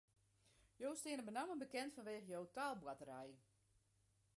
Jo steane benammen bekend fanwege jo taalboarterij.